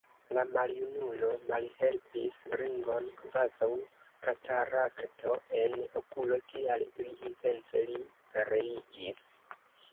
La maljunulo malhelpis Ringon kvazaŭ katarakto en okulo, tial li intence lin pereigis!